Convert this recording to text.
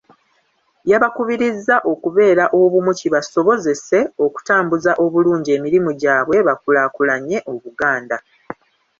Yabakubirizza okubeera obumu kibasobozese okutambuza obulungi emirimu gyabwe bakulaakulanye Obuganda.